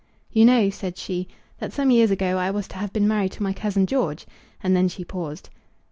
"You know," said she, "that some years ago I was to have been married to my cousin George;" and then she paused.